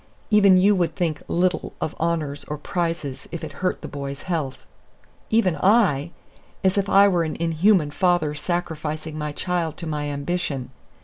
Even you would think little of honors or prizes if it hurt the boy's health." Even I! as if I were an inhuman father sacrificing my child to my ambition.